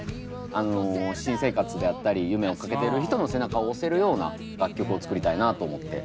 あの新生活であったり夢追っかけてる人の背中を押せるような楽曲を作りたいなと思って。